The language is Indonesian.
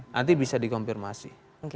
nanti bisa dikonfirmasi